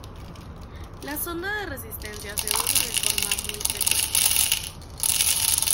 La sonda de resistencia se usa de forma muy frecuente.